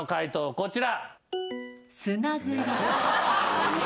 こちら。